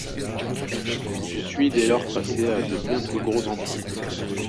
Je suis dès lors passé à de bien plus gros amplis.